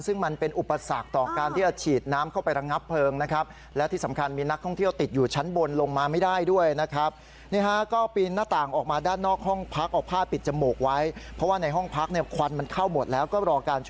ซึ่งมันเป็นอุปสรรคต่อการที่จะฉีดน้ำเข้าไประงับเพลิงนะครับ